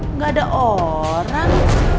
enggak ada orang